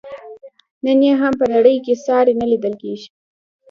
نن یې هم په نړۍ کې ساری نه لیدل کیږي.